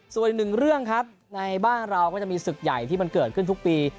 ส่วนอีกหนึ่งเรื่องครับในบ้านเราก็จะมีศึกใหญ่ที่มันเกิดขึ้นทุกปี